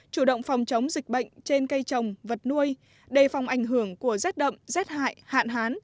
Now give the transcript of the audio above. chủ động phòng chống dịch bệnh trên cây trồng vật nuôi đề phòng ảnh hưởng của rét đậm rét hại hạn hán